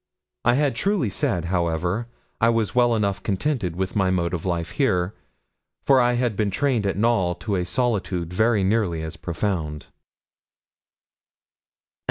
I had truly said, however, I was well enough contented with my mode of life here, for I had been trained at Knowl to a solitude very nearly as profound.